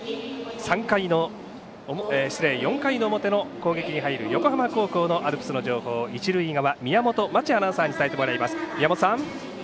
４回の表の攻撃に入る横浜高校のアルプスの情報一塁側、宮本真智アナウンサーに伝えてもらいます、宮本さん。